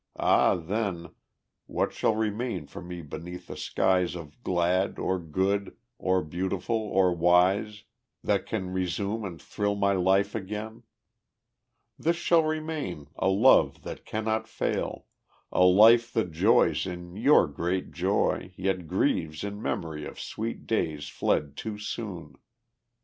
Ah, then, What shall remain for me beneath the skies Of glad, or good, or beautiful, or wise, That can relume and thrill my life again? This shall remain, a love that cannot fail, A life that joys in your great joy, yet grieves In memory of sweet days fled too soon.